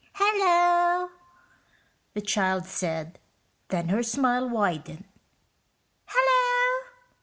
"Hello," the child said, then her smile widened. "Hello!"